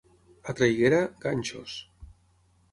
A Traiguera, ganxos.